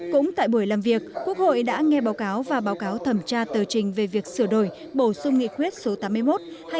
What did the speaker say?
cũng tại buổi làm việc quốc hội đã nghe báo cáo và báo cáo thẩm tra tờ trình về việc sửa đổi bổ sung nghị quyết số tám mươi một